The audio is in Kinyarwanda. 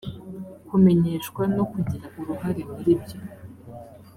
kumenyeshwa no kugira uruhare muri byo